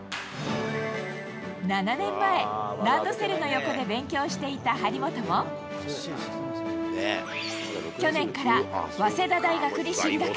７年前、ランドセルの横で勉強していた張本も、去年から、早稲田大学に進学。